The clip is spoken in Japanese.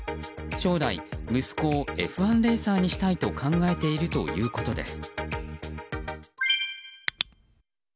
将来、息子をＦ１レーサーにしたいと考えているということです。